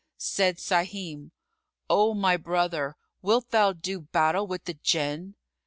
Said Sahim, "O my brother, wilt thou do battle with the Jinn?"